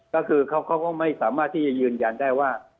ก็คือเขาก็ไม่สามารถที่จะยืนยันได้ว่า